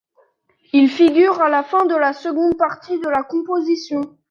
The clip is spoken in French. Il figure à la fin de la seconde partie de la composition.